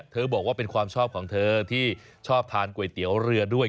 บอกว่าเป็นความชอบของเธอที่ชอบทานก๋วยเตี๋ยวเรือด้วย